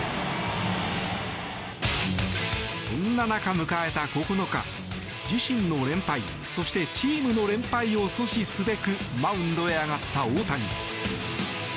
そんな中、迎えた９日自身の連敗、そしてチームの連敗を阻止すべくマウンドへ上がった大谷。